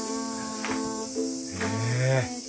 へえ。